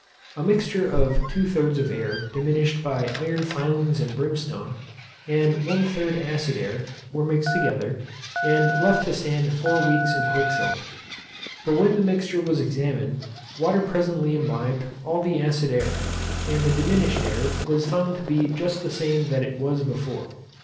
A mixture of two thirds of air diminished by iron filings and brimstone, and one third acid air, were mixed together, and left to stand four weeks in quicksilver. But when the mixture was examined, water presently imbibed all the acid air, and the diminished air was found to be just the same that it was before.